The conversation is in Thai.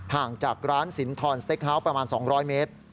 ห่างจากร้านสินทรสเต็กฮาวส์ประมาณ๒๐๐เมตร